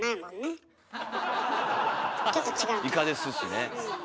イカですしね。